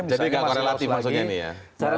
jadi nggak korelatif maksudnya ini ya